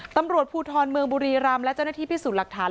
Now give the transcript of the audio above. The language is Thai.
ตำรวจภูทรเมืองบุรีรำและเจ้าหน้าที่พิสูจน์หลักฐาน